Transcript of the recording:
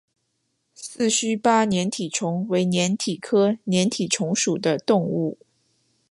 四须鲃粘体虫为粘体科粘体虫属的动物。